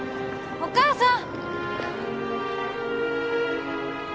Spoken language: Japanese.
お母さん！